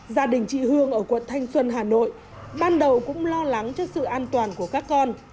gia đình chị hương ở quận thanh xuân hà nội ban đầu cũng lo lắng cho sự an toàn của các con